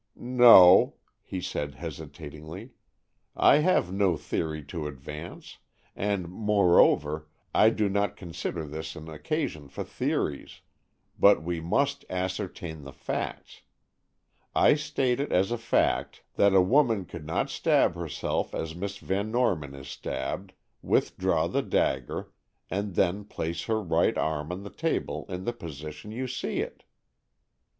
"No," he said hesitatingly; "I have no theory to advance, and, moreover, I do not consider this an occasion for theories. But we must ascertain the facts. I state it as a fact that a woman could not stab herself as Miss Van Norman is stabbed, withdraw the dagger, and then place her right arm on the table in the position you see it."